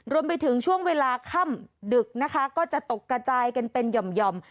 รวมไปถึงช่วงเวลาค่ำดึกนะคะก็จะตกกระจายกันเป็นห่อม